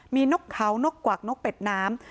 มีนกเขานกกวักนกเป็ดน้ำ